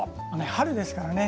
春ですからね。